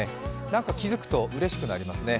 なんか気付くと、うれしくなりますね。